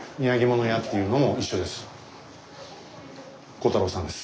鋼太郎さんです。